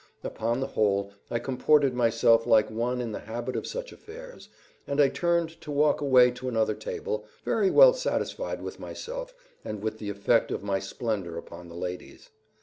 Upon the whole I comported myself like one in the habit of such affairs, and I turned to walk away to another table, very well satisfied with myself and with the effect of my splendor upon the ladies.